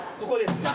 ここです。